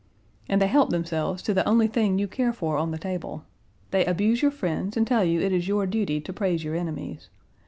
And they help themselves to the only thing you care for on the table. They abuse your friends and tell you it is your duty to praise your enemies.